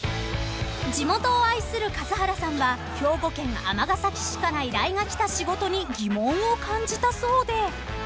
［地元を愛する数原さんは兵庫県尼崎市から依頼が来た仕事に疑問を感じたそうで］